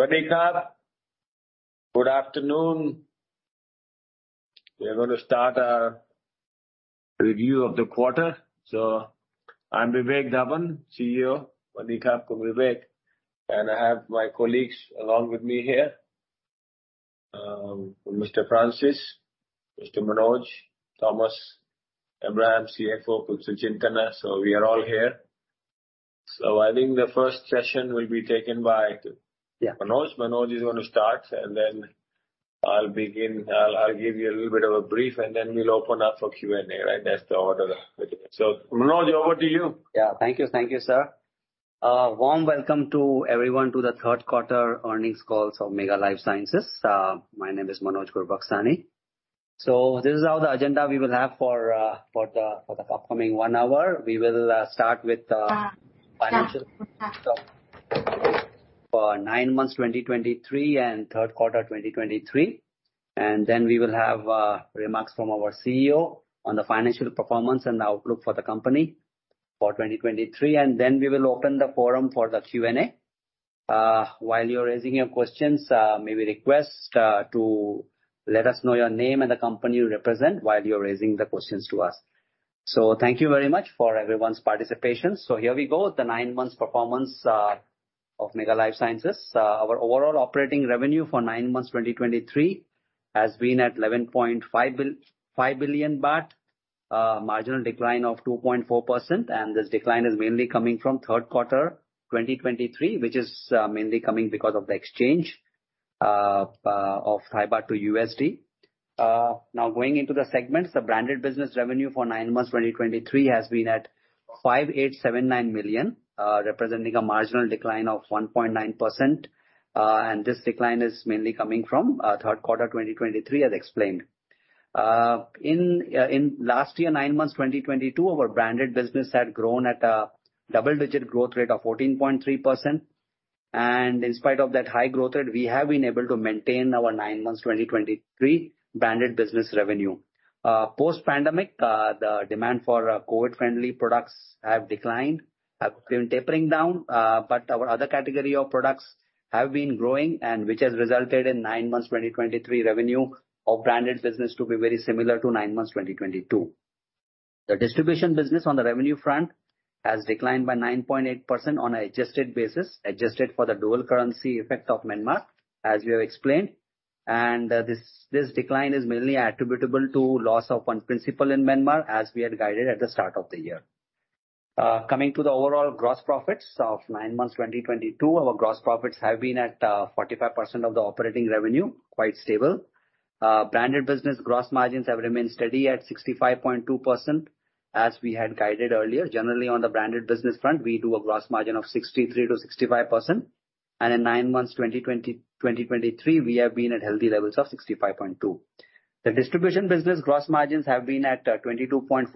Good afternoon. We are going to start our review of the quarter. So I'm Vivek Dhawan, CEO Vivek, and I have my colleagues along with me here. Mr. Francis, Mr. Manoj, Thomas Abraham, CFO, Sujintana. So we are all here. So I think the first session will be taken by- Yeah. Manoj. Manoj is going to start, and then I'll begin. I'll, I'll give you a little bit of a brief, and then we'll open up for Q&A, right? That's the order. So, Manoj, over to you. Yeah. Thank you. Thank you, sir. Warm welcome to everyone to the third quarter earnings call of Mega Lifesciences. My name is Manoj Gurbuxani. So this is how the agenda we will have for the upcoming one hour. We will start with financials for nine months, 2023, and third quarter, 2023. And then we will have remarks from our CEO on the financial performance and the outlook for the company for 2023. And then we will open the forum for the Q&A. While you're raising your questions, may we request to let us know your name and the company you represent while you're raising the questions to us. So thank you very much for everyone's participation. So here we go. The nine months performance of Mega Lifesciences. Our overall operating revenue for nine months, 2023, has been at 11.5 billion baht, marginal decline of 2.4%. This decline is mainly coming from third quarter, 2023, which is mainly coming because of the exchange of Thai baht to USD. Now, going into the segments, the branded business revenue for nine months, 2023, has been at 5,879 million, representing a marginal decline of 1.9%. And this decline is mainly coming from third quarter, 2023, as explained. In last year, nine months, 2022, our branded business had grown at a double-digit growth rate of 14.3%. In spite of that high growth rate, we have been able to maintain our nine months, 2023, branded business revenue. Post-pandemic, the demand for COVID-friendly products have declined, have been tapering down, but our other category of products have been growing and which has resulted in nine months, 2023, revenue of branded business to be very similar to nine months, 2022. The distribution business on the revenue front has declined by 9.8% on an adjusted basis, adjusted for the dual currency effect of Myanmar, as we have explained. This decline is mainly attributable to loss of one principal in Myanmar, as we had guided at the start of the year. Coming to the overall gross profits of nine months, 2022, our gross profits have been at 45% of the operating revenue, quite stable. Branded business gross margins have remained steady at 65.2%, as we had guided earlier. Generally, on the branded business front, we do a gross margin of 63%-65%, and in nine months, 2020, 2023, we have been at healthy levels of 65.2%. The distribution business gross margins have been at 22.4%,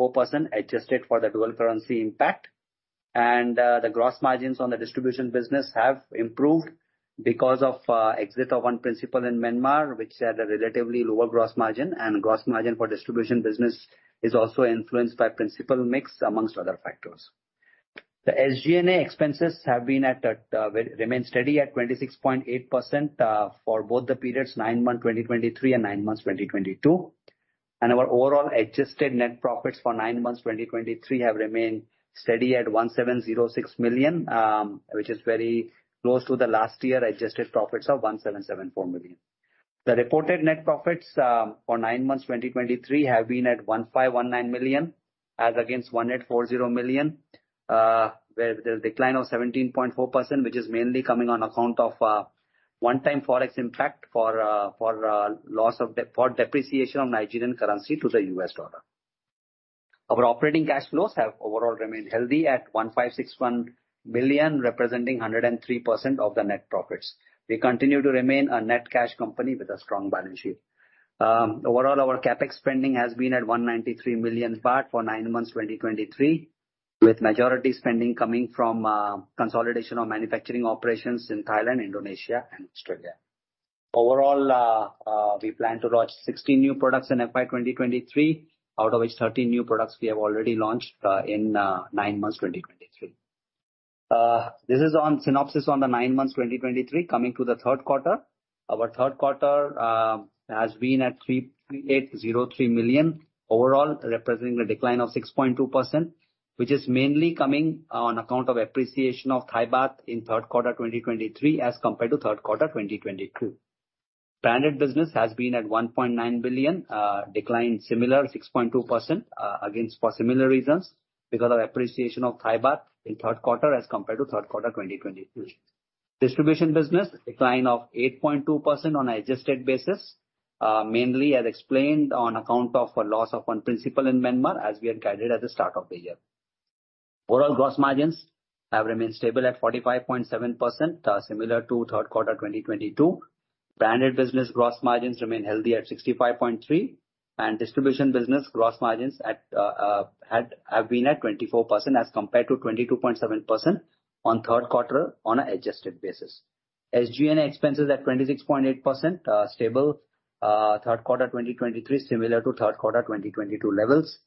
adjusted for the dual currency impact. The gross margins on the distribution business have improved because of exit of one principal in Myanmar, which had a relatively lower gross margin. Gross margin for distribution business is also influenced by principal mix, among other factors. The SG&A expenses have been at a remain steady at 26.8%, for both the periods, nine months 2023, and nine months 2022. Our overall adjusted net profits for 9 months, 2023, have remained steady at 1,706 million, which is very close to the last year adjusted profits of 1,774 million. The reported net profits for 9 months, 2023, have been at 1,519 million, as against 1,840 million, where there is a decline of 17.4%, which is mainly coming on account of one-time Forex impact for loss of depreciation of Nigerian currency to the US dollar. Our operating cash flows have overall remained healthy at 1,561 million, representing 103% of the net profits. We continue to remain a net cash company with a strong balance sheet. Overall, our CapEx spending has been at 193 million baht for nine months, 2023, with majority spending coming from consolidation of manufacturing operations in Thailand, Indonesia and Australia. Overall, we plan to launch 16 new products in FY 2023, out of which 13 new products we have already launched in nine months, 2023. This is a synopsis of the nine months, 2023. Coming to the third quarter. Our third quarter has been at 3,380.3 million, overall, representing a decline of 6.2%, which is mainly coming on account of appreciation of Thai baht in third quarter, 2023, as compared to third quarter, 2022. Branded business has been at 1.9 billion, decline similar 6.2%, against for similar reasons, because of appreciation of Thai baht in third quarter as compared to third quarter, 2022. Distribution business, decline of 8.2% on adjusted basis, mainly as explained on account of a loss of one principal in Myanmar, as we had guided at the start of the year. Overall, gross margins have remained stable at 45.7%, similar to third quarter, 2022. Branded business gross margins remain healthy at 65.3, and distribution business gross margins at have been at 24% as compared to 22.7% on third quarter on an adjusted basis. SG&A expenses at 26.8%, stable, third quarter, 2023, similar to third quarter, 2022 levels.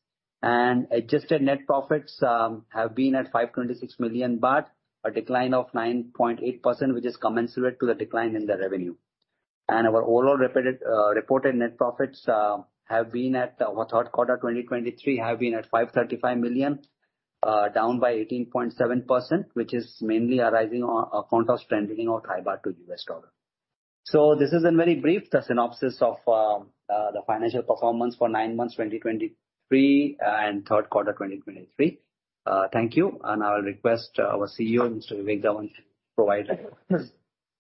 Adjusted net profits have been at 526 million baht, a decline of 9.8%, which is commensurate to the decline in the revenue. And our overall reported net profits have been at our third quarter, 2023, have been at 535 million, down by 18.7%, which is mainly arising on account of strengthening our Thai baht to US dollar. So this is in very brief, the synopsis of the financial performance for nine months, 2023, and third quarter, 2023. Thank you. And I will request our CEO, Mr. Vivek Dhawan, to provide.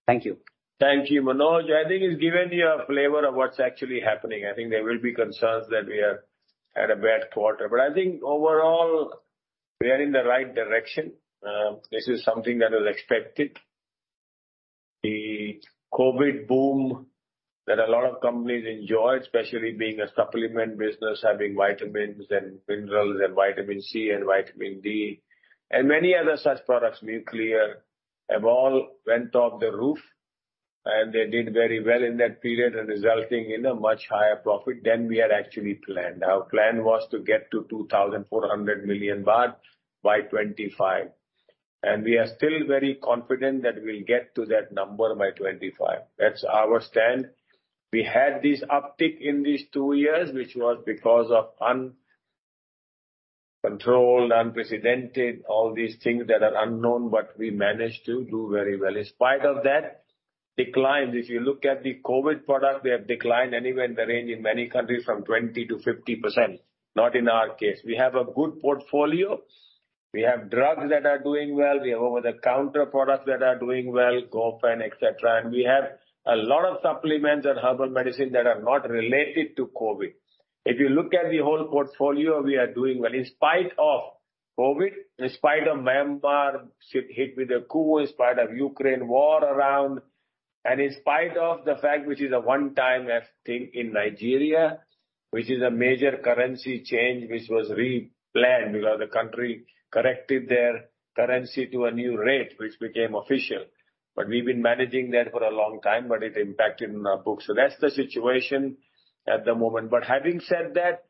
Thank you. Thank you, Manoj. I think it's given you a flavor of what's actually happening. I think there will be concerns that we have had a bad quarter, but I think overall, we are in the right direction. This is something that is expected. The COVID boom that a lot of companies enjoyed, especially being a supplement business, having vitamins and minerals and vitamin C and vitamin D and many other such products, nutraceutical, have all went off the roof, and they did very well in that period, and resulting in a much higher profit than we had actually planned. Our plan was to get to 2,400 million baht by 2025, and we are still very confident that we'll get to that number by 2025. That's our stand. We had this uptick in these two years, which was because of uncontrolled, unprecedented, all these things that are unknown, but we managed to do very well. In spite of that decline, if you look at the COVID product, we have declined anywhere in the range in many countries, from 20%-50%. Not in our case. We have a good portfolio. We have drugs that are doing well. We have over-the-counter products that are doing well, Gofen, et cetera. And we have a lot of supplements and herbal medicines that are not related to COVID. If you look at the whole portfolio, we are doing well in spite of COVID, in spite of Myanmar hit with a coup, in spite of Ukraine war around, and in spite of the fact, which is a one-time thing in Nigeria, which was replanned because the country corrected their currency to a new rate, which became official. But we've been managing that for a long time, but it impacted in our books. So that's the situation at the moment. But having said that,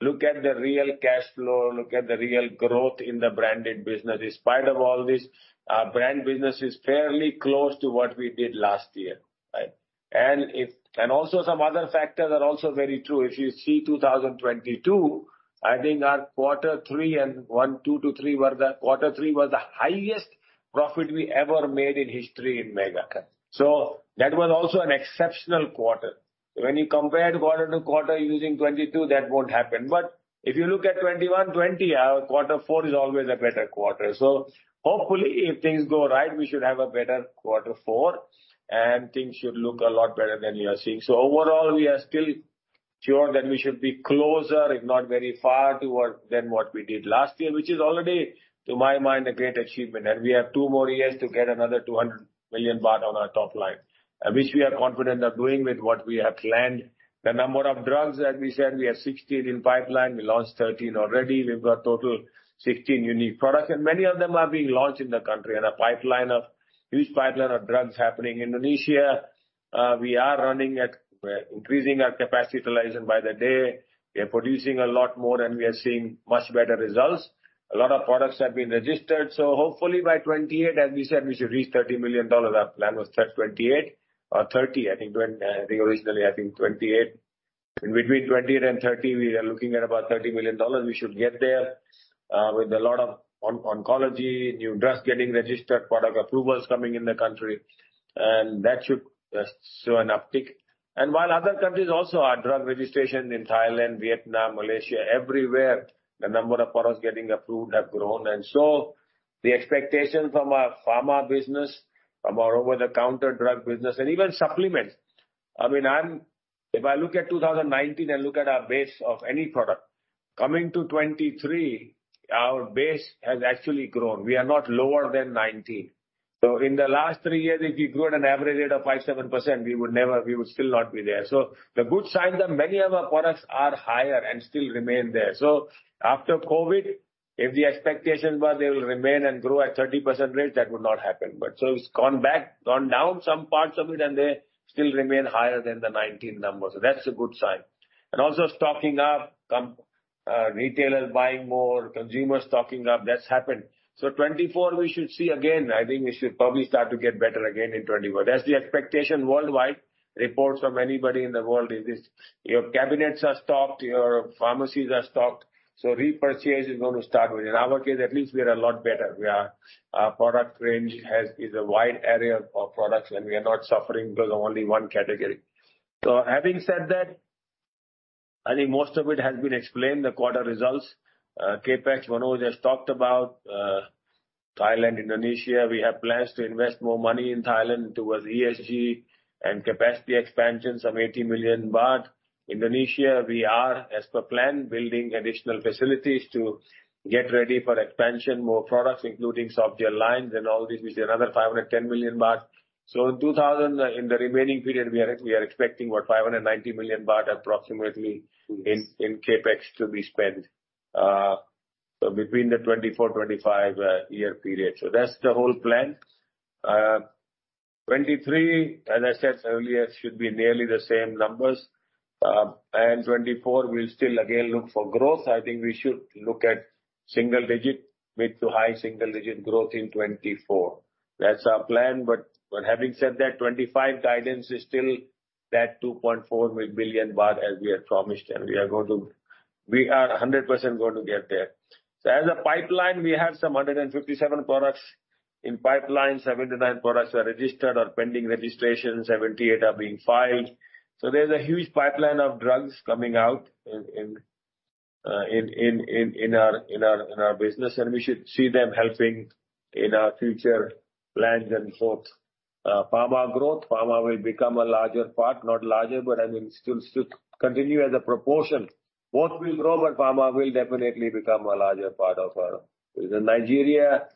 look at the real cash flow, look at the real growth in the branded business. In spite of all this, our brand business is fairly close to what we did last year, right? And also some other factors are also very true. If you see 2022, I think our quarter 3 and 1, 2 to 3 were the quarter 3 was the highest profit we ever made in history in Mega. So that was also an exceptional quarter. When you compare quarter to quarter using 2022, that won't happen. But if you look at 2021, 2020, our quarter 4 is always a better quarter. So hopefully, if things go right, we should have a better quarter 4, and things should look a lot better than you are seeing. So overall, we are still sure that we should be closer, if not very far, toward than what we did last year, which is already, to my mind, a great achievement. And we have 2 more years to get another 200 million baht on our top line, and which we are confident of doing with what we have planned. The number of drugs, as we said, we have 16 in pipeline. We launched 13 already. We've got total 16 unique products, and many of them are being launched in the country and a huge pipeline of drugs happening. Indonesia, we are running at, increasing our capacity utilization by the day. We are producing a lot more, and we are seeing much better results. A lot of products have been registered, so hopefully by 2028, as we said, we should reach $30 million. Our plan was third, 2028 or 2030, I think, when I think originally, I think 2028. In between 2028 and 2030, we are looking at about $30 million. We should get there, with a lot of oncology, new drugs getting registered, product approvals coming in the country, and that should show an uptick. While other countries also are drug registration in Thailand, Vietnam, Malaysia, everywhere, the number of products getting approved have grown. So the expectation from our pharma business, from our over-the-counter drug business, and even supplements, I mean, I'm—If I look at 2019 and look at our base of any product, coming to 2023, our base has actually grown. We are not lower than 2019. So in the last three years, if you grew at an average rate of 5%-7%, we would never—we would still not be there. So the good signs are many of our products are higher and still remain there. So after COVID, if the expectations were they will remain and grow at 30% rate, that would not happen. But so it's gone back, gone down some parts of it, and they still remain higher than the 2019 numbers. That's a good sign. Also stocking up, retailers buying more, consumers stocking up, that's happened. 2024 we should see again. I think we should probably start to get better again in 2024. That's the expectation worldwide. Reports from anybody in the world is this, your cabinets are stocked, your pharmacies are stocked, so repurchase is going to start with. In our case, at least we are a lot better. We are, our product range is a wide area of products, and we are not suffering because of only one category. Having said that, I think most of it has been explained, the quarter results. CapEx, Manoj, just talked about, Thailand, Indonesia. We have plans to invest more money in Thailand towards ESG and capacity expansion, some 80 million baht. Indonesia, we are, as per plan, building additional facilities to get ready for expansion, more products, including softgel lines and all this, which is another 510 million baht. So in 2024, in the remaining period, we are, we are expecting what, 590 million baht approximately in CapEx to be spent. So between the 2024-2025 year period. So that's the whole plan. 2023, as I said earlier, should be nearly the same numbers. And 2024, we'll still again look for growth. I think we should look at single digit, mid to high single digit growth in 2024. That's our plan, but, but having said that, 2025 guidance is still that 2.4 billion baht, as we had promised, and we are going to—we are 100% going to get there. So as a pipeline, we have 157 products in pipeline, 79 products are registered or pending registration, 78 are being filed. So there's a huge pipeline of drugs coming out in our business, and we should see them helping in our future plans and thoughts. Pharma growth. Pharma will become a larger part, not larger, but I mean, still continue as a proportion. Both will grow, but pharma will definitely become a larger part of our... Nigeria,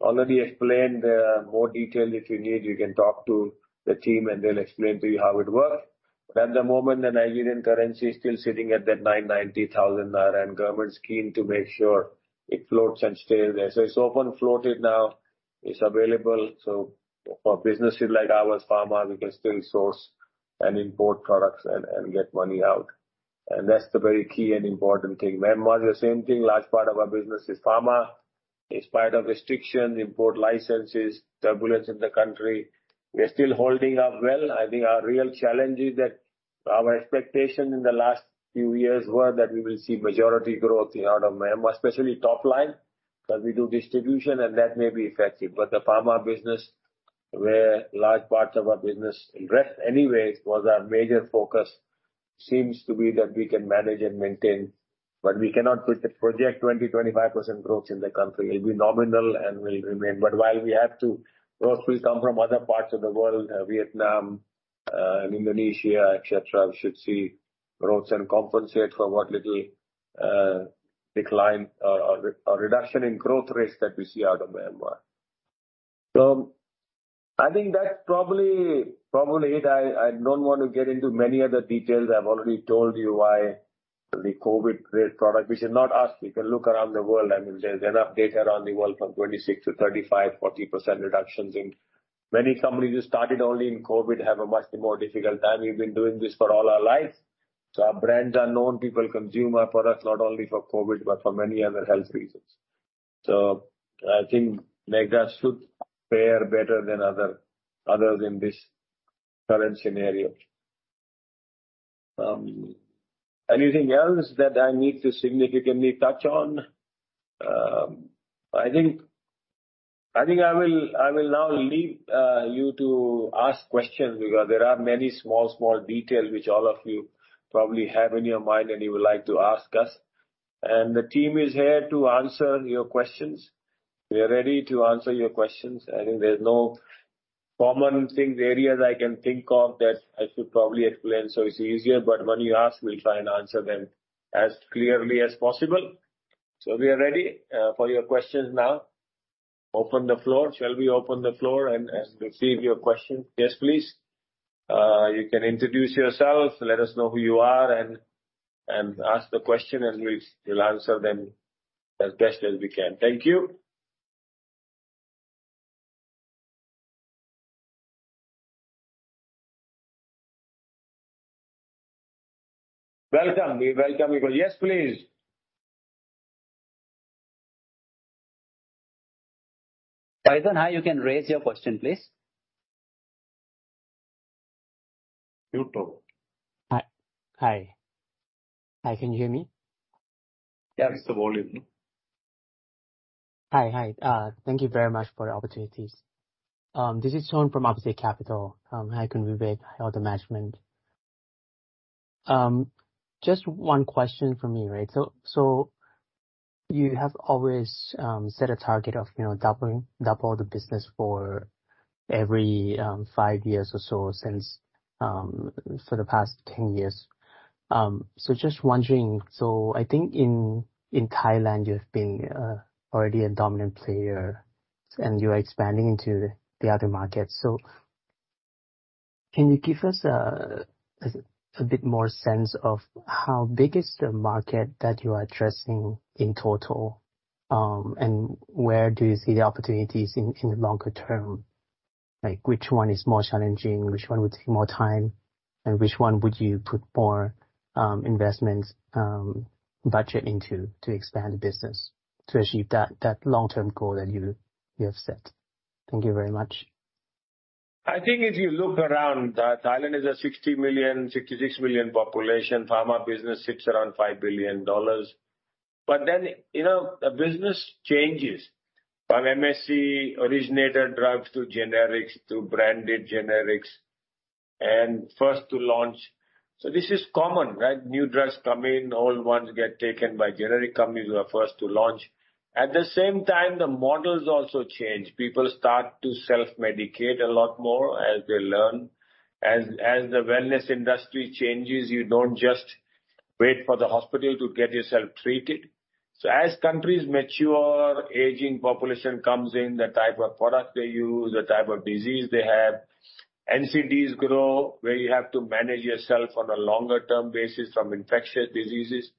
already explained, more detail if you need, you can talk to the team and they'll explain to you how it works. But at the moment, the Nigerian currency is still sitting at 990 naira, and government's keen to make sure it floats and stays there. So it's open floated now, it's available, so for businesses like ours, pharma, we can still source and import products and get money out. That's the very key and important thing. Myanmar is the same thing. Large part of our business is pharma. In spite of restrictions, import licenses, turbulence in the country, we are still holding up well. I think our real challenge is that our expectation in the last few years were that we will see majority growth out of Myanmar, especially top line, because we do distribution and that may be affected. But the pharma business, where large parts of our business rest anyways, was our major focus, seems to be that we can manage and maintain, but we cannot put a project 20%-25% growth in the country. It'll be nominal and will remain. But while we have to, growth will come from other parts of the world, Vietnam, and Indonesia, et cetera. We should see growth and compensate for what little decline or reduction in growth rates that we see out of Myanmar. I think that's probably it. I don't want to get into many other details. I've already told you why the COVID product... We should not ask, we can look around the world. I mean, there's enough data around the world from 26%-35%, 40% reductions in many companies who started only in COVID have a much more difficult time. We've been doing this for all our life, so our brands are known, people consume our products not only for COVID, but for many other health reasons. So I think Mega should fare better than other than this current scenario. Anything else that I need to significantly touch on? I think, I think I will, I will now leave you to ask questions because there are many small, small details which all of you probably have in your mind and you would like to ask us. And the team is here to answer your questions. We are ready to answer your questions. I think there's no common things, areas I can think of that I should probably explain, so it's easier, but when you ask, we'll try and answer them as clearly as possible. So we are ready for your questions now. Open the floor. Shall we open the floor and, and receive your questions? Yes, please. You can introduce yourself, let us know who you are and, and ask the question, and we'll, we'll answer them as best as we can. Thank you. Welcome. We welcome you. Yes, please. Hi, then, how you can raise your question, please? You talk. Hi. Hi. Hi, can you hear me? Yeah, Mr. William. Hi. Hi, thank you very much for the opportunities. This is Sean from Opus Capital. Hi, Khun Vivek, hi all the management. Just one question from me, right. So you have always set a target of, you know, double the business for every five years or so since for the past 10 years. So just wondering: I think in Thailand, you've been already a dominant player and you are expanding into the other markets. So can you give us a bit more sense of how big is the market that you are addressing in total? And where do you see the opportunities in the longer term? Like, which one is more challenging, which one would take more time, and which one would you put more investments, budget into to expand the business, to achieve that long-term goal that you have set? Thank you very much. I think if you look around, Thailand is a 60 million, 66 million population. Pharma business sits around $5 billion. But then, you know, the business changes from MNC originator drugs to generics to branded generics and first to launch. So this is common, right? New drugs come in, old ones get taken by generic companies who are first to launch. At the same time, the models also change. People start to self-medicate a lot more as they learn. As the wellness industry changes, you don't just wait for the hospital to get yourself treated. So as countries mature, aging population comes in, the type of product they use, the type of disease they have, NCDs grow, where you have to manage yourself on a longer term basis from infectious diseases.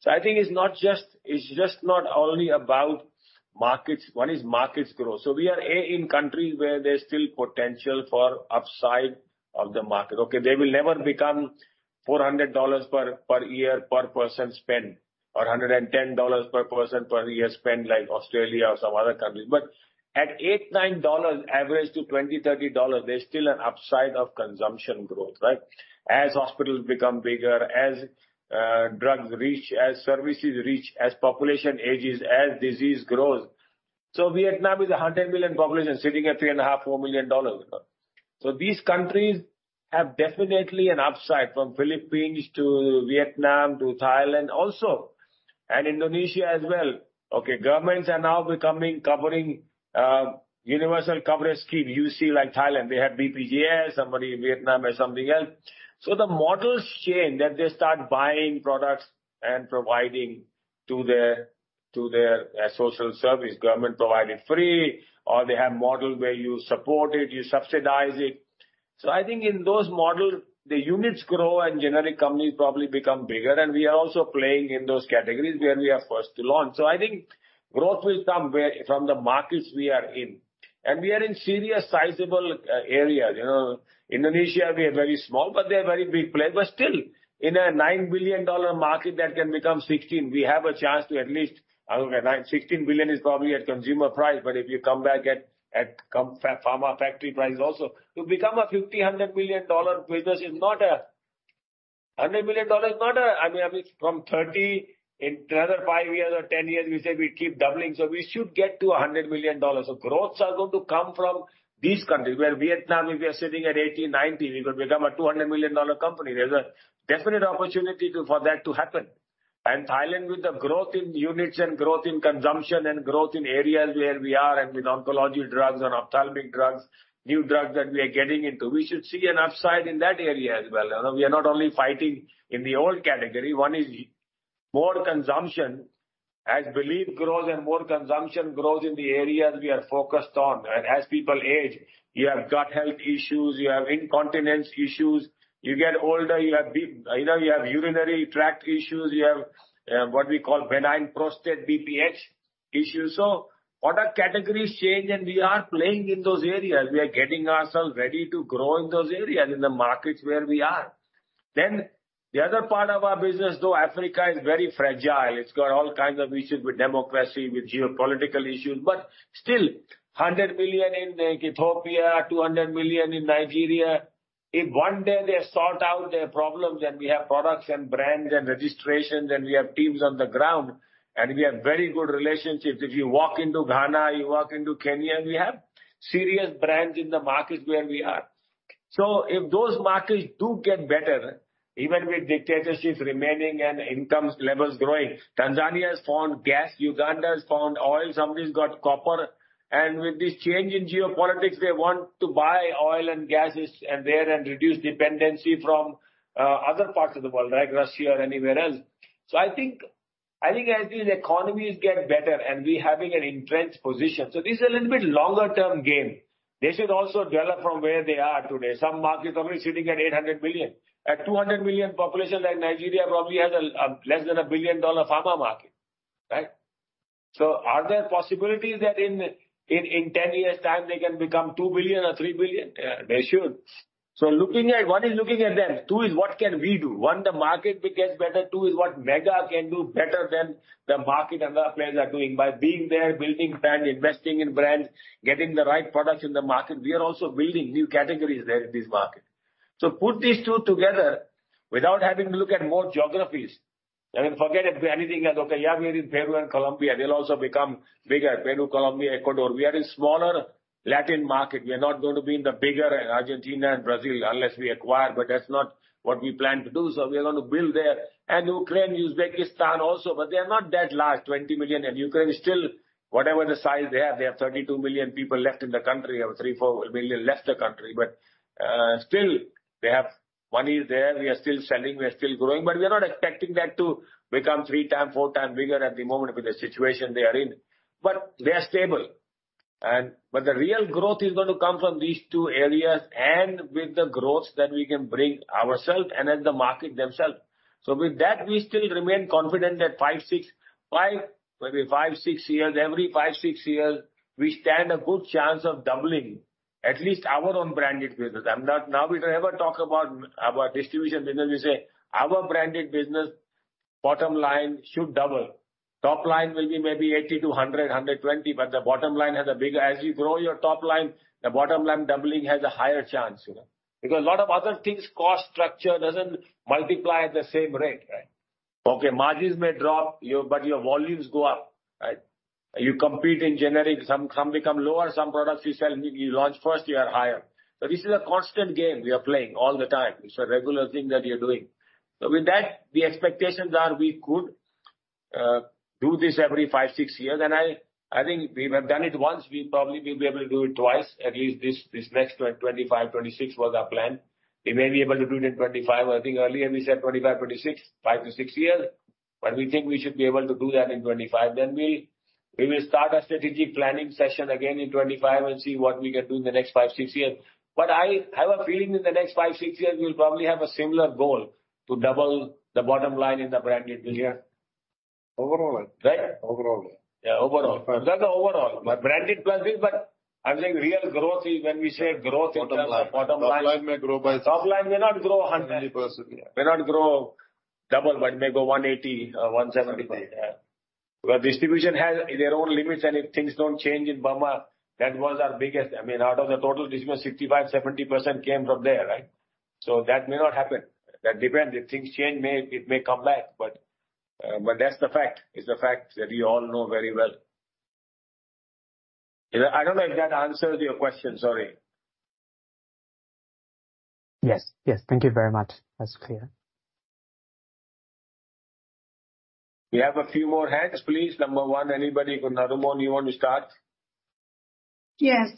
So I think it's not just, it's just not only about markets. One is markets growth. So we are in countries where there's still potential for upside of the market. Okay, they will never become $400 per year per person spend, or $110 per person per year spend, like Australia or some other countries. But at $8-$9 average to $20-$30, there's still an upside of consumption growth, right? As hospitals become bigger, as drugs reach, as services reach, as population ages, as disease grows. So Vietnam is 100 million population, sitting at $3.5-$4 million. So these countries have definitely an upside, from Philippines to Vietnam to Thailand also, and Indonesia as well. Okay, governments are now becoming covering universal coverage scheme. You see, like Thailand, they have BPJS, somebody in Vietnam has something else. So the models change, that they start buying products and providing to their, to their social service. Government provide it free, or they have model where you support it, you subsidize it. So I think in those models, the units grow and generic companies probably become bigger, and we are also playing in those categories where we are first to launch. So I think growth will come from the markets we are in. And we are in serious sizable areas. You know, Indonesia, we are very small, but they are very big player. But still, in a $9 billion market, that can become $16 billion, we have a chance to at least... Okay, $9 billion-$16 billion is probably at consumer price, but if you come back at pharma factory prices also, to become a $50 billion-$100 billion business is not a $100 billion is not a... I mean, I mean, from 30, in another 5 years or 10 years, we say we keep doubling, so we should get to a $100 billion. So growths are going to come from these countries, where Vietnam, if we are sitting at 80-90, we could become a $200 million company. There's a definite opportunity for that to happen. And Thailand, with the growth in units and growth in consumption and growth in areas where we are, and with oncology drugs and ophthalmic drugs, new drugs that we are getting into, we should see an upside in that area as well. You know, we are not only fighting in the old category. One is more consumption, as belief grows and more consumption grows in the areas we are focused on. And as people age, you have gut health issues, you have incontinence issues, you get older, you have, you know, you have urinary tract issues, you have, what we call benign prostate, BPH issues. So other categories change, and we are playing in those areas. We are getting ourselves ready to grow in those areas, in the markets where we are. Then the other part of our business, though, Africa is very fragile. It's got all kinds of issues with democracy, with geopolitical issues, but still, 100 million in Ethiopia, 200 million in Nigeria. If one day they sort out their problems, and we have products and brands and registrations, and we have teams on the ground, and we have very good relationships, if you walk into Ghana, you walk into Kenya, and we have serious brands in the markets where we are. So if those markets do get better, even with dictatorships remaining and income levels growing, Tanzania has found gas, Uganda has found oil, somebody's got copper. And with this change in geopolitics, they want to buy oil and gases and there, and reduce dependency from other parts of the world, like Russia or anywhere else. So I think, I think as these economies get better, and we're having an entrenched position, so this is a little bit longer term game. They should also develop from where they are today. Some markets are only sitting at 800 million. At 200 million population, like Nigeria probably has a less than $1 billion pharma market, right? So are there possibilities that in 10 years' time, they can become $2 billion or $3 billion? They should. So looking at, one is looking at them, two is what can we do? One, the market becomes better, two is what Mega can do better than the market other players are doing. By being there, building brand, investing in brands, getting the right products in the market, we are also building new categories there in this market. So put these two together without having to look at more geographies. I mean, forget it, anything that, okay, yeah, we're in Peru and Colombia, they'll also become bigger. Peru, Colombia, Ecuador. We are in smaller Latin market. We are not going to be in the bigger Argentina and Brazil unless we acquire, but that's not what we plan to do, so we are going to build there. Ukraine, Uzbekistan also, but they are not that large, 20 million, and Ukraine is still, whatever the size they have, they have 32 million people left in the country, or 3-4 million left the country. But still, they have money there. We are still selling, we are still growing, but we are not expecting that to become 3-4 times bigger at the moment with the situation they are in. But they are stable, but the real growth is going to come from these two areas, and with the growth that we can bring ourselves and the markets themselves. So with that, we still remain confident that 5-6, 5, maybe 5-6 years, every 5-6 years, we stand a good chance of doubling at least our own branded business. Now, if I ever talk about distribution business, we say our branded business bottom line should double. Top line will be maybe 80 to 100-120, but the bottom line has a bigger... As you grow your top line, the bottom line doubling has a higher chance, you know. Because a lot of other things, cost structure, doesn't multiply at the same rate, right? Okay, margins may drop your- but your volumes go up, right? You compete in generic, some become lower, some products you sell, you launch first, you are higher. So this is a constant game we are playing all the time. It's a regular thing that we are doing. So with that, the expectations are we could do this every 5-6 years, and I think we have done it once. We probably will be able to do it twice, at least this next 2025-2026 was our plan. We may be able to do it in 2025. I think earlier we said 2025-2026, 5-6 years, but we think we should be able to do that in 2025. Then we will start our strategic planning session again in 2025 and see what we can do in the next 5-6 years. But I have a feeling in the next 5-6 years, we'll probably have a similar goal, to double the bottom line in the branded business. Yeah. Overall. Right? Overall. Yeah, overall. Not the overall, but branded plus it, but I think real growth is when we say growth- Bottom line. In terms of bottom line. Top line may grow by- Top line may not grow 100- 20%, yeah. May not grow double, but it may go 180 or 170%. Yeah. But distribution has their own limits, and if things don't change in Myanmar, that was our biggest... I mean, out of the total business, 65%-70% came from there, right? So that may not happen. That depends. If things change, it may come back. But that's the fact. It's a fact that you all know very well. I don't know if that answers your question, sorry. Yes, yes. Thank you very much. That's clear. We have a few more hands, please. Number one, anybody? Narumon, you want to start? Yes.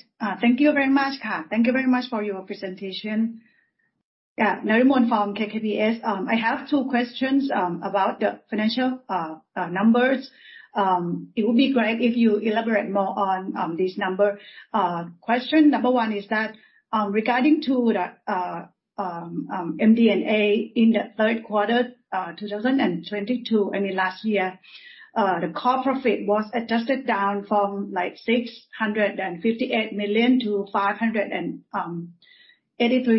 Thank you very much, Ka. Thank you very much for your presentation. Yeah, Narumon from KKPS. I have two questions, about the financial, numbers. It would be great if you elaborate more on, this number. Question number one is that, regarding to the, MD&A in the third quarter, 2022, I mean, last year, the core profit was adjusted down from, like, 658 million-583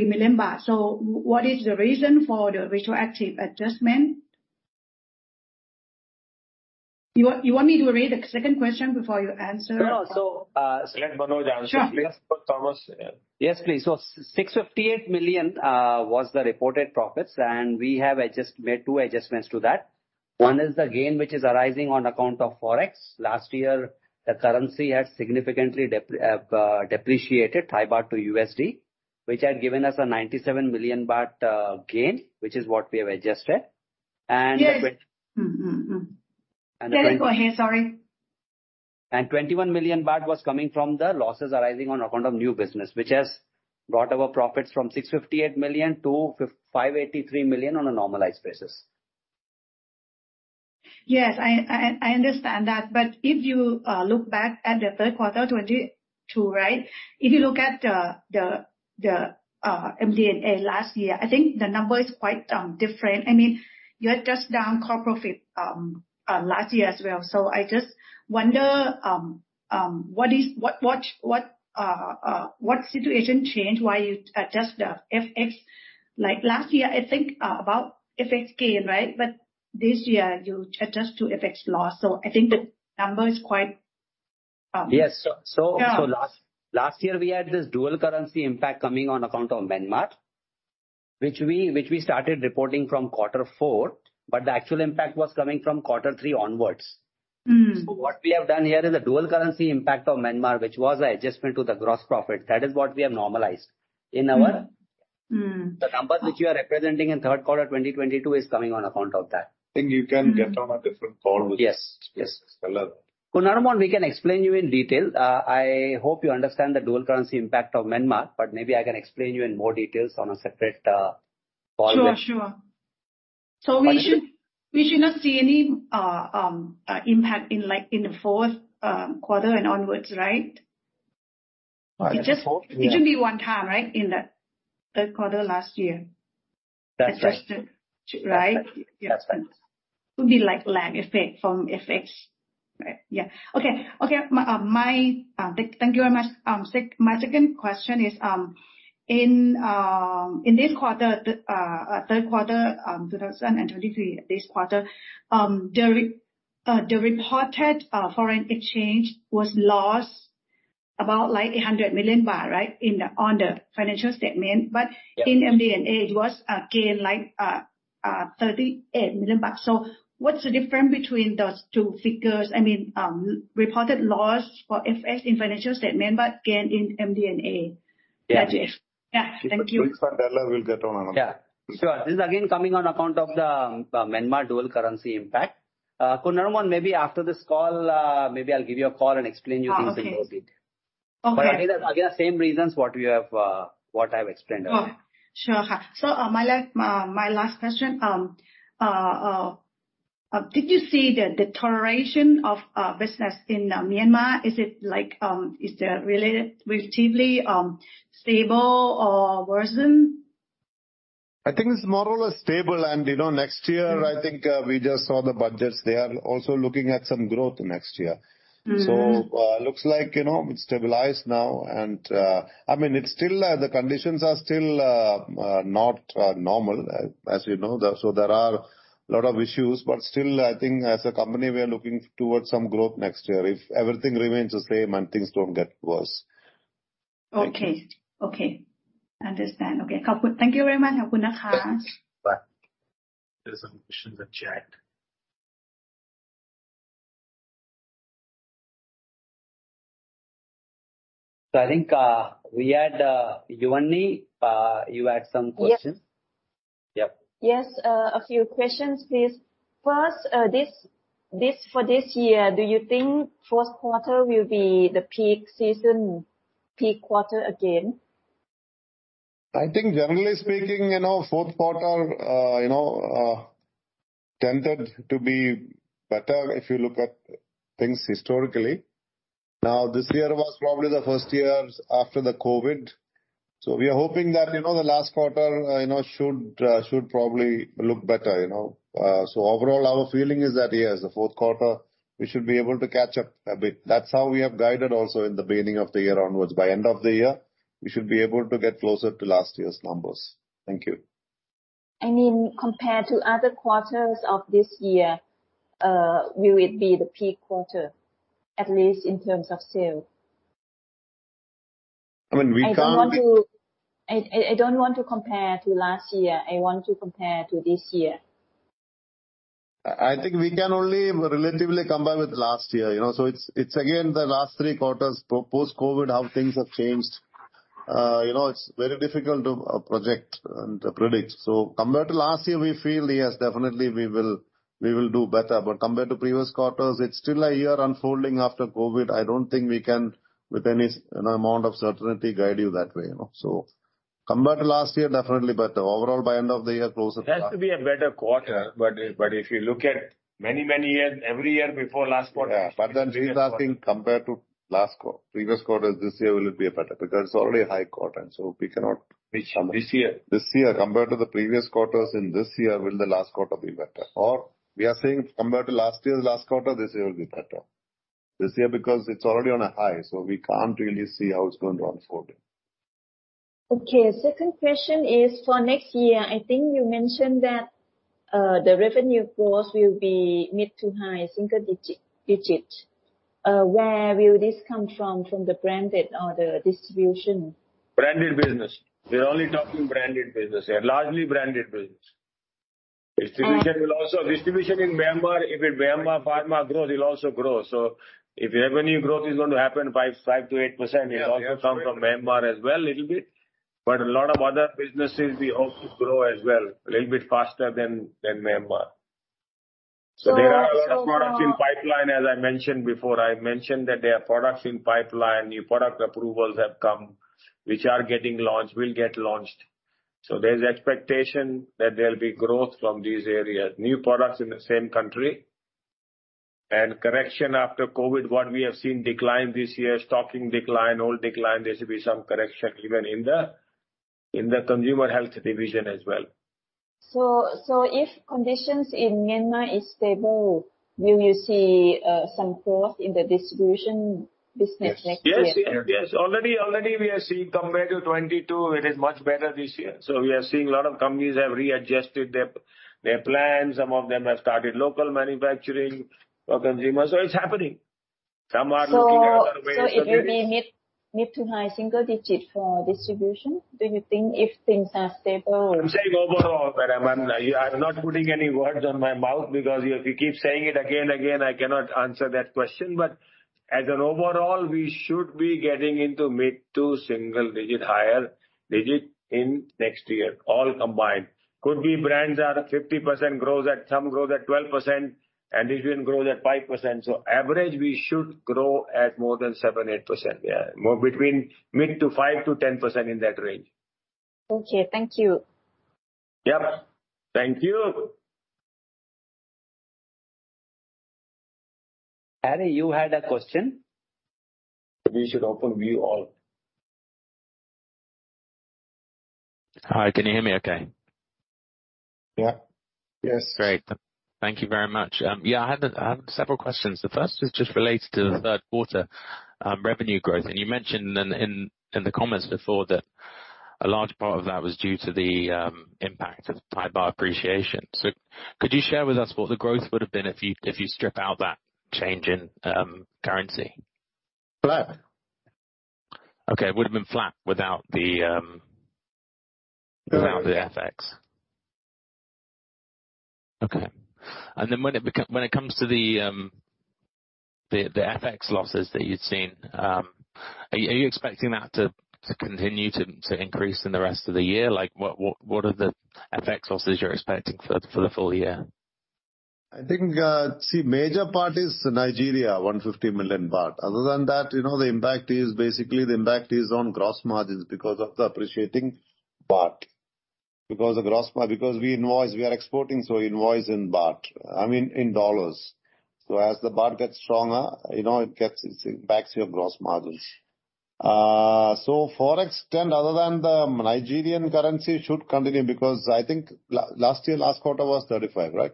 million baht. So what is the reason for the retroactive adjustment? You want, you want me to read the second question before you answer? No, so- Let Manoj answer. Sure. Please, for Thomas, yeah. Yes, please. So 658 million was the reported profits, and we have made two adjustments to that. One is the gain, which is arising on account of forex. Last year, the currency had significantly depreciated Thai baht to USD, which had given us a 97 million baht gain, which is what we have adjusted. And the- Yes. And the- Yeah, go ahead, sorry. 21 million baht was coming from the losses arising on account of new business, which has brought our profits from 658 million to 583 million on a normalized basis. Yes, I understand that. But if you look back at the third quarter 2022, right? If you look at the MD&A last year, I think the number is quite different. I mean, you had just down core profit last year as well. So I just wonder what is... What situation changed, why you adjust the FX? Like last year, I think about FX gain, right? But this year, you adjust to FX loss. So I think the number is quite- Yes. So, Yeah So last year we had this dual currency impact coming on account of Myanmar, which we started reporting from quarter four, but the actual impact was coming from quarter three onwards. So what we have done here is a dual currency impact of Myanmar, which was an adjustment to the gross profit. That is what we have normalized in our- The number which you are representing in third quarter 2022 is coming on account of that. I think you can get on a different call with- Yes, yes. Hello. So Narumon, we can explain you in detail. I hope you understand the dual currency impact of Myanmar, but maybe I can explain you in more details on a separate call later. Sure, sure. So we should- Okay. We should not see any impact in, like, the fourth quarter and onwards, right? The fourth, yeah. It should be one time, right? In the third quarter last year. That's right. Adjusted, right? That's right. Would be like lag effect from FX, right? Yeah. Okay, okay. My... Thank you very much. Sec- my second question is, in, in this quarter, the, third quarter, 2023, this quarter, the re- the reported, foreign exchange was lost about like 100 million baht, right? In the, on the financial statement. Yeah. But in MD&A, it was gained like THB 38 million. So what's the difference between those two figures? I mean, reported loss for FX in financial statement, but again, in MD&A. Yeah. Yes. Yeah, thank you. We'll get on another. Yeah, sure. This is again coming on account of the Myanmar dual currency impact. So Narumon, maybe after this call, maybe I'll give you a call and explain you things in more detail. Ah, okay. Okay. But again, again, the same reasons what we have, what I've explained earlier. Oh, sure. So, my last question, did you see the deterioration of business in Myanmar? Is it like, is it relatively stable or worsened? I think it's more or less stable. You know, next year, I think, we just saw the budgets. They are also looking at some growth next year. So, looks like, you know, it's stabilized now and, I mean, it's still, the conditions are still not normal, as you know. So there are a lot of issues, but still, I think as a company, we are looking towards some growth next year, if everything remains the same and things don't get worse. Okay. Okay, understand. Okay, thank you. Thank you very much. Bye. There are some questions in chat. So I think, we had, Yuwanee, you had some questions? Yes. Yep. Yes, a few questions, please. First, this for this year, do you think first quarter will be the peak season, peak quarter again? I think generally speaking, you know, fourth quarter tended to be better if you look at things historically. Now, this year was probably the first year after the COVID, so we are hoping that, you know, the last quarter should probably look better, you know. So overall, our feeling is that, yes, the fourth quarter we should be able to catch up a bit. That's how we have guided also in the beginning of the year onwards. By end of the year, we should be able to get closer to last year's numbers. Thank you. I mean, compared to other quarters of this year, will it be the peak quarter, at least in terms of sales? I mean, we can't- I don't want to compare to last year. I want to compare to this year. I think we can only relatively compare with last year, you know. So it's, it's again, the last three quarters post-COVID, how things have changed. You know, it's very difficult to project and predict. So compared to last year, we feel, yes, definitely we will, we will do better. But compared to previous quarters, it's still a year unfolding after COVID. I don't think we can, with any, you know, amount of certainty, guide you that way, you know. So compared to last year, definitely better. Overall, by end of the year, closer to- It has to be a better quarter, but if you look at many, many years, every year before last quarter- Yeah, but then we are saying compared to last quarter. Previous quarter this year will be better because it's already a high quarter, and so we cannot- Which, this year? This year, compared to the previous quarters in this year, will the last quarter be better? Or we are saying compared to last year, last quarter, this year will be better. This year, because it's already on a high, so we can't really see how it's going to unfold. Okay. Second question is, for next year, I think you mentioned that, the revenue growth will be mid- to high-single-digit. Where will this come from, from the branded or the distribution? Branded business. We're only talking branded business here, largely branded business. Uh- Distribution in Myanmar, if Myanmar pharma grows, it will also grow. So if revenue growth is going to happen by 5%-8%- Yes. It will come from Myanmar as well, little bit. But a lot of other businesses we hope to grow as well, a little bit faster than Myanmar. So, So there are a lot of products in pipeline, as I mentioned before. I mentioned that there are products in pipeline, new product approvals have come, which are getting launched, will get launched. So there's expectation that there'll be growth from these areas, new products in the same country. Correction after COVID, what we have seen decline this year, stocking decline, all decline, there should be some correction even in the, in the consumer health division as well. So if conditions in Myanmar is stable, will you see some growth in the distribution business next year? Yes. Yes, yes. Already, already we are seeing compared to 2022, it is much better this year. So we are seeing a lot of companies have readjusted their, their plans. Some of them have started local manufacturing for consumers. So it's happening. Some are looking at other ways to do this. So, it will be mid- to high-single-digit for distribution, do you think, if things are stable? I'm saying overall, Madam, I'm not putting any words on my mouth because if you keep saying it again, I cannot answer that question. But as an overall, we should be getting into mid- to single digit, higher digit in next year, all combined. Could be brands are 50% growth, at some growth at 12%, and it even grows at 5%. So average, we should grow at more than 7, 8%. Yeah, more between mid- to 5%-10% in that range. Okay. Thank you. Yep. Thank you. Harry, you had a question? We should open you all. Hi, can you hear me okay? Yeah. Yes. Great. Thank you very much. Yeah, I had several questions. The first is just related to the third quarter revenue growth. And you mentioned in the comments before that a large part of that was due to the impact of Thai baht appreciation. So could you share with us what the growth would have been if you strip out that change in currency? Flat. Okay. It would have been flat without the- Yes. Without the FX. Okay. And then when it comes to the FX losses that you'd seen, are you expecting that to continue to increase in the rest of the year? Like, what are the FX losses you're expecting for the full year? I think, see, major part is Nigeria, 150 million baht. Other than that, you know, the impact is basically, the impact is on gross margins because of the appreciating baht. Because the gross because we invoice, we are exporting, so invoice in baht, I mean, in dollars. So as the baht gets stronger, you know, it gets, it impacts your gross margins. So to what extent, other than the Nigerian currency, should continue, because I think last year, last quarter was 35, right?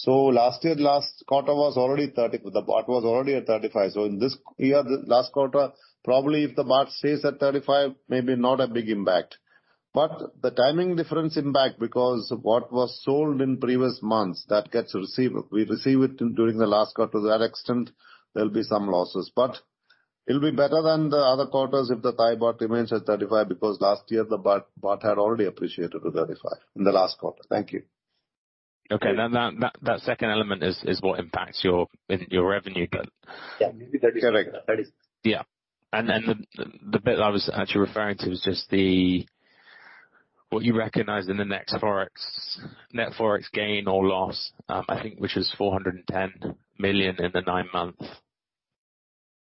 So last year, last quarter was already 35. The baht was already at 35. So in this year, the last quarter, probably if the baht stays at 35, maybe not a big impact. But the timing difference impact, because what was sold in previous months, that gets received. We receive it during the last quarter. To that extent, there'll be some losses, but it'll be able better than the other quarters if the Thai baht remains at 35, because last year, the baht, baht had already appreciated to 35 in the last quarter. Thank you. Okay. That second element is what impacts your revenue, but- Yeah, maybe 36. Correct. Thirty-six. Yeah. And then the bit I was actually referring to was just the what you recognize in the net Forex, net Forex gain or loss, I think, which is 410 million in the nine months.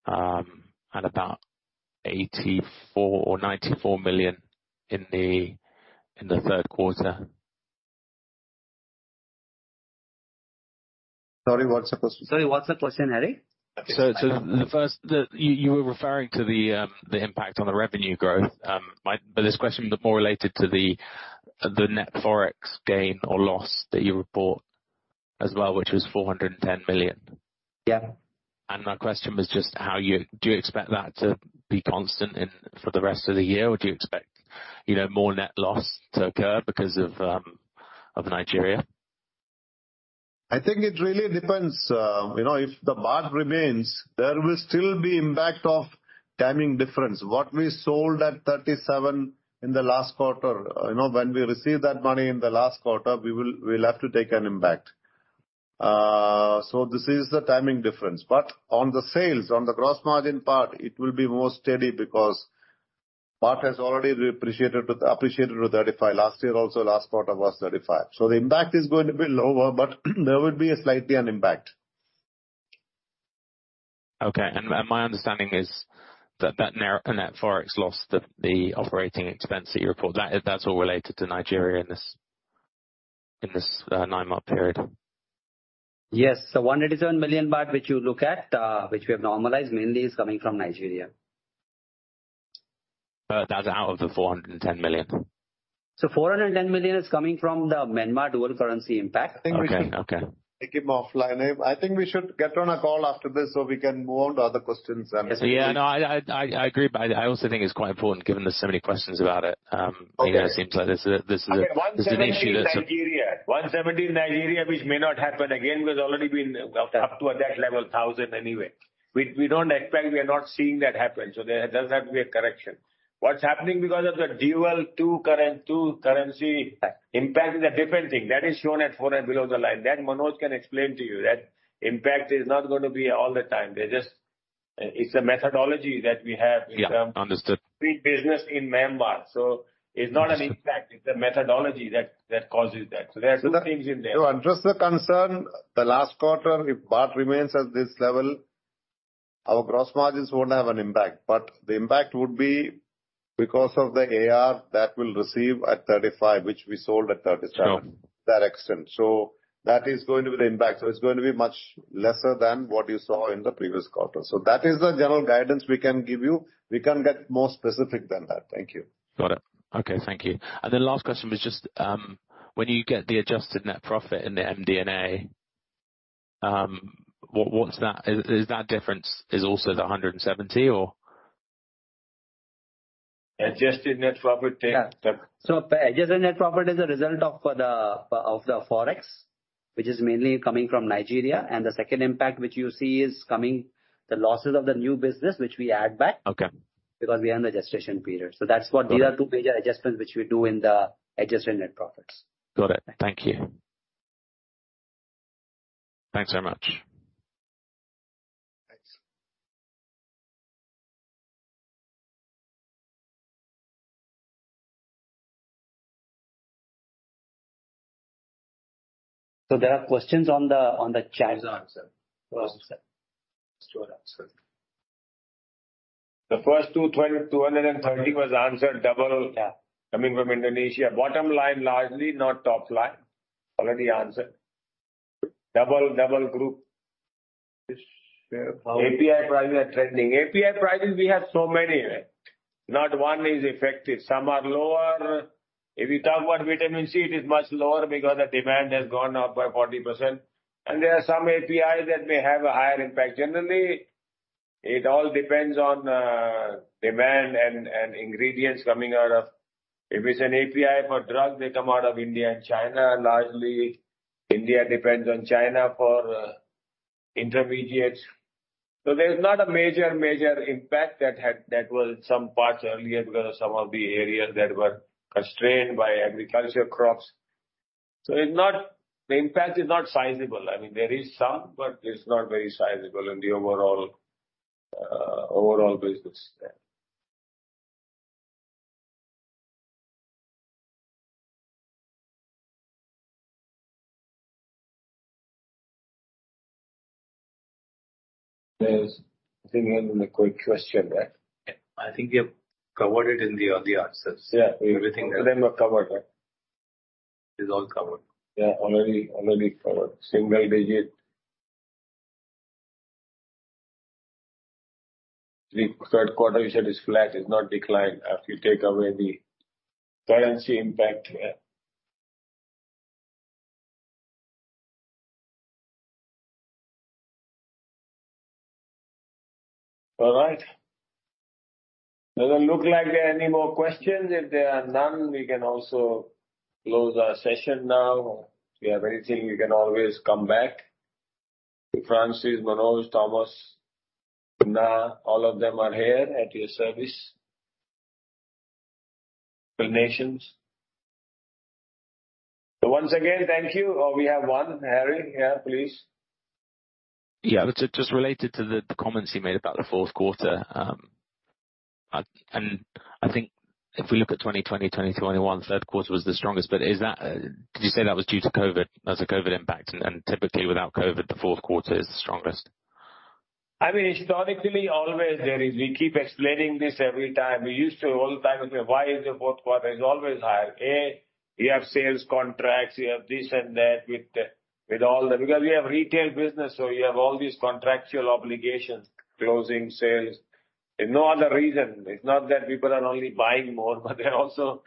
And about 84 or 94 million in the third quarter. Sorry, what's the question? Sorry, what's the question, Harry? So, you were referring to the impact on the revenue growth. But this question is more related to the net Forex gain or loss that you report as well, which was 410 million. Yeah. My question was just how you... Do you expect that to be constant in, for the rest of the year, or do you expect, you know, more net loss to occur because of, of Nigeria? I think it really depends. You know, if the baht remains, there will still be impact of timing difference. What we sold at 37 in the last quarter, you know, when we receive that money in the last quarter, we'll have to take an impact. So this is the timing difference. But on the sales, on the gross margin part, it will be more steady because baht has already appreciated to, appreciated to 35. Last year also, last quarter was 35. So the impact is going to be lower, but there would be a slightly an impact. Okay. And my understanding is that the net Forex loss, the operating expense that you report, that's all related to Nigeria in this nine-month period? Yes. So 187 million baht, which you look at, which we have normalized, mainly is coming from Nigeria. But that's out of the 410 million? 410 million is coming from the Myanmar dual currency impact. Okay. Okay. I think we should take him offline. I think we should get on a call after this, so we can move on to other questions. Yeah. No, I agree, but I also think it's quite important, given there's so many questions about it. Okay. You know, it seems like this is an issue that's- 170 Nigeria. 170 Nigeria, which may not happen again, because already been up to that level, 1,000 anyway. We don't expect, we are not seeing that happen, so there does have to be a correction. What's happening because of the dual two currency impact is a different thing. That is shown at 4 and below the line. That, Manoj can explain to you. That impact is not going to be all the time. They just... It's a methodology that we have in term- Yeah, understood. With business in Myanmar. So it's not an impact- Understood. It's a methodology that causes that. So there are two things in there. So address the concern, the last quarter, if Baht remains at this level, our gross margins won't have an impact, but the impact would be because of the AR that will receive at 35, which we sold at 37. Sure. That extent. So that is going to be the impact. So it's going to be much lesser than what you saw in the previous quarter. So that is the general guidance we can give you. We can't get more specific than that. Thank you. Got it. Okay, thank you. And then last question was just, when you get the adjusted net profit in the MD&A, what's that? Is that difference also the 170 or? Adjusted net profit Yeah. Adjusted net profit is a result of the Forex, which is mainly coming from Nigeria. The second impact which you see is coming, the losses of the new business, which we add back. Okay. Because we are in the registration period. Got it. So that's what these are: two major adjustments which we do in the adjusted net profits. Got it. Thank you. Thanks so much. Thanks. There are questions on the chat. Answer. Sure, answer. The first 220, 230 was answered, double- Yeah. Coming from Indonesia. Bottom line, largely, not top line. Already answered. Double, double group. API prices are trending. API prices, we have so many. Not one is affected. Some are lower. If you talk about vitamin C, it is much lower because the demand has gone up by 40%, and there are some APIs that may have a higher impact. Generally, it all depends on demand and ingredients coming out of. If it's an API for drugs, they come out of India and China. Largely, India depends on China for intermediates. So there's not a major, major impact that had that was in some parts earlier because of some of the areas that were constrained by agriculture crops. So it's not the impact is not sizable. I mean, there is some, but it's not very sizable in the overall, overall business there. There's, I think, a quick question there. I think you've covered it in the early answers. Yeah. Everything there. They are covered. It's all covered. Yeah, already, already covered. Single digit. The third quarter, you said, is flat, is not declined after you take away the currency impact. Yeah. All right. Doesn't look like there are any more questions. If there are none, we can also close our session now. If you have anything, you can always come back to Francis, Manoj, Thomas, Punna; all of them are here at your service. Explanations. So once again, thank you. Oh, we have one. Harry, yeah, please. Yeah. It's just related to the, the comments you made about the fourth quarter. And I think if we look at 2020, 2021, third quarter was the strongest, but is that, could you say that was due to COVID, as a COVID impact, and typically without COVID, the fourth quarter is the strongest? I mean, historically, always there is. We keep explaining this every time. We used to all the time say, "Why is the fourth quarter is always higher?" A, we have sales contracts, we have this and that with, with all the... Because we have retail business, so you have all these contractual obligations, closing sales. There's no other reason. It's not that people are only buying more, but they're also.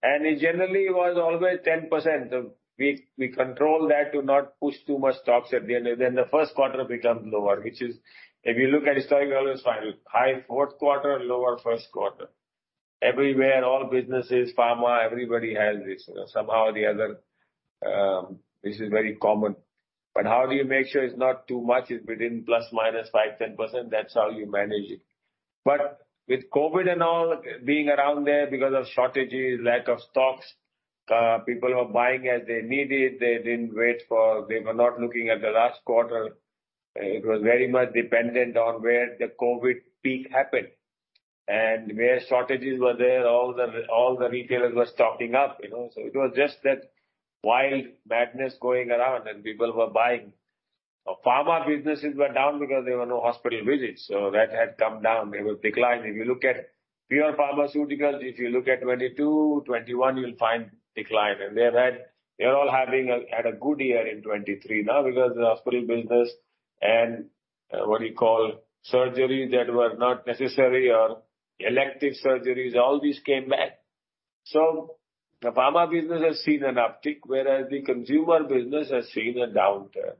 And it generally was always 10%. So we, we control that to not push too much stocks at the end, and then the first quarter becomes lower, which is if you look at historic, always find high fourth quarter, lower first quarter. Everywhere, all businesses, pharma, everybody has this. You know, somehow or the other, this is very common. But how do you make sure it's not too much, it's within ±5%-10%, that's how you manage it. But with COVID and all being around there because of shortages, lack of stocks, people were buying as they needed. They didn't wait for... They were not looking at the last quarter. It was very much dependent on where the COVID peak happened and where shortages were there, all the, all the retailers were stocking up, you know. So it was just that wild madness going around, and people were buying. Pharma businesses were down because there were no hospital visits, so that had come down. They were declining. If you look at pure pharmaceuticals, if you look at 2022, 2021, you'll find decline. They had a good year in 2023 now because the hospital business and surgeries that were not necessary or elective surgeries, all these came back. So the pharma business has seen an uptick, whereas the consumer business has seen a downturn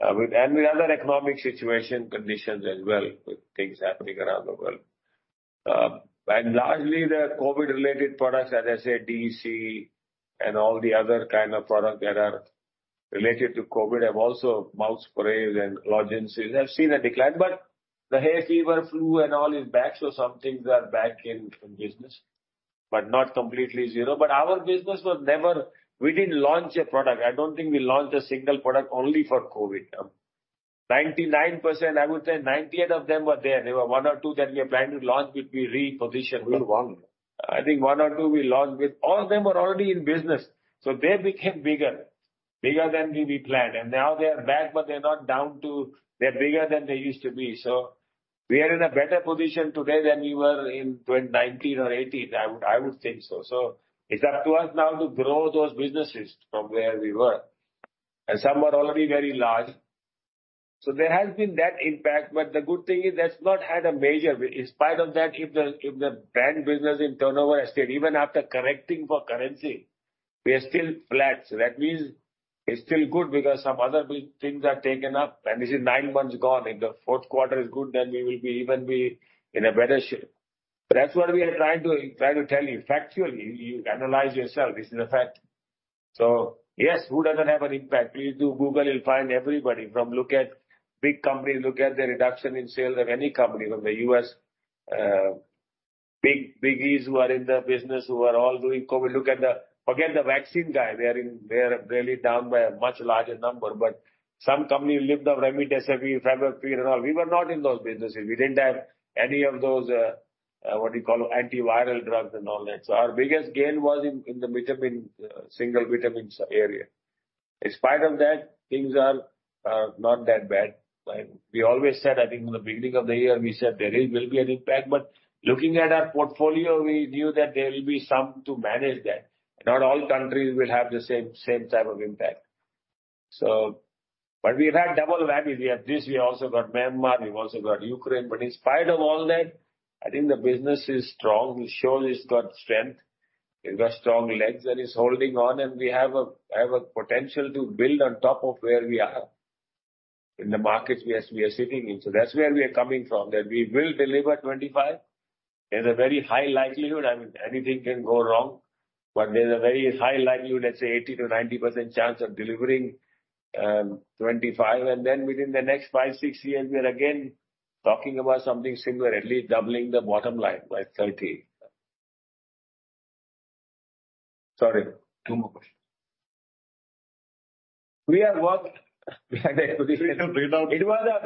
and the other economic situation conditions as well, with things happening around the world. And largely, the COVID-related products, as I said, D, C and all the other kind of products that are related to COVID, mouth sprays and lozenges, have seen a decline, but the hay fever, flu and all is back, so some things are back in business, but not completely zero. But our business was never. We didn't launch a product. I don't think we launched a single product only for COVID. 99%, I would say 98 of them were there. There were 1 or 2 that we are planning to launch, which we repositioned. We won. I think one or two we launched, but all of them were already in business. So they became bigger, bigger than we, we planned, and now they are back, but they're not down to... They're bigger than they used to be. So we are in a better position today than we were in 2019 or 2018, I would, I would think so. So it's up to us now to grow those businesses from where we were, and some were already very large. So there has been that impact, but the good thing is that's not had a major... In spite of that, if the, if the brand business in turnover has stayed, even after correcting for currency, we are still flat. So that means it's still good because some other big things are taken up, and this is 9 months gone. If the fourth quarter is good, then we will be even be in a better shape. But that's what we are trying to, trying to tell you factually. You analyze yourself; this is a fact. So yes, who doesn't have an impact? Please do Google; you'll find everybody from—look at big companies, look at the reduction in sales of any company from the U.S., big biggies who are in the business, who are all doing COVID. Look at the... Forget the vaccine guy; they are really down by a much larger number. But some company lived off remdesivir, favipiravir, and all. We were not in those businesses. We didn't have any of those, what do you call, antiviral drugs and all that. So our biggest gain was in the vitamin, single vitamins area. In spite of that, things are not that bad. We always said, I think in the beginning of the year, we said there will be an impact, but looking at our portfolio, we knew that there will be some to manage that. Not all countries will have the same type of impact. So, but we've had double whammy. We have this, we also got Myanmar, we've also got Ukraine. But in spite of all that, I think the business is strong. It shows it's got strength, it got strong legs, and it's holding on, and we have a potential to build on top of where we are in the markets we are sitting in. So that's where we are coming from, that we will deliver 25. There's a very high likelihood, I mean, anything can go wrong, but there's a very high likelihood, let's say 80%-90% chance of delivering 25. And then within the next 5-6 years, we are again talking about something similar, at least doubling the bottom line by 30. Sorry, 2 more questions. We have worked- Read out.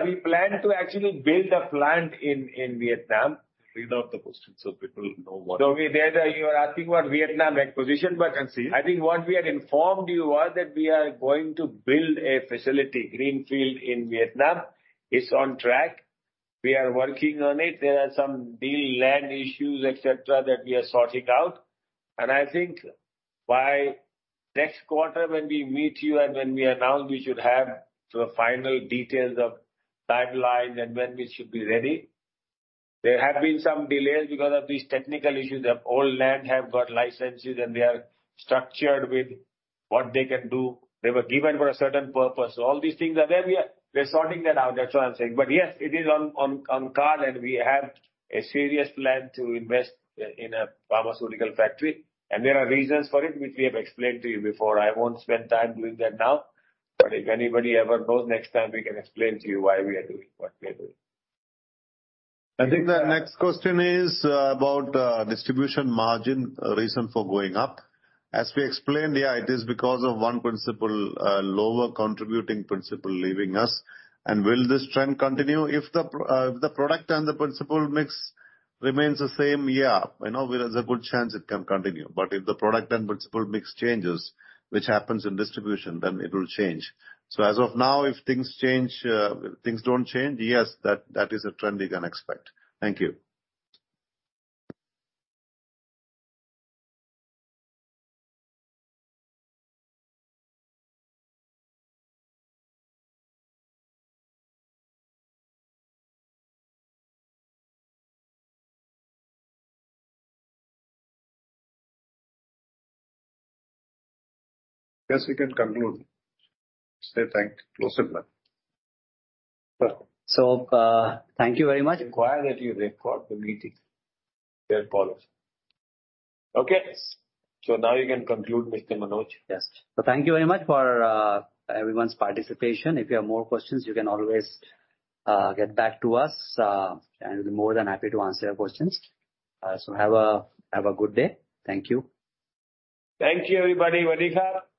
We planned to actually build a plant in Vietnam. Read out the question so people know what- So we're there, you are asking about Vietnam acquisition, but- And see. I think what we had informed you was that we are going to build a facility, greenfield, in Vietnam. It's on track. We are working on it. There are some deal land issues, et cetera, that we are sorting out. I think by next quarter, when we meet you and when we announce, we should have the final details of timelines and when we should be ready. There have been some delays because of these technical issues, that all land have got licenses and they are structured with what they can do. They were given for a certain purpose. So all these things are there. We are... We're sorting that out. That's why I'm saying. But yes, it is on hold, and we have a serious plan to invest in a pharmaceutical factory, and there are reasons for it, which we have explained to you before. I won't spend time doing that now, but if anybody ever goes next time, we can explain to you why we are doing what we are doing. I think the next question is about distribution margin, reason for going up. As we explained, yeah, it is because of one principal, lower contributing principal leaving us. And will this trend continue? If the product and the principal mix remains the same, yeah, I know there's a good chance it can continue, but if the product and principal mix changes, which happens in distribution, then it will change. So as of now, if things change, things don't change, yes, that is a trend you can expect. Thank you. Yes, we can conclude. Say thank you. Close it now. Thank you very much. Require that you record the meeting. Their policy. Okay, so now you can conclude, Mr. Manoj. Yes. So thank you very much for everyone's participation. If you have more questions, you can always get back to us, and we'll be more than happy to answer your questions. So have a good day. Thank you. Thank you, everybody. Vanika? Thank you.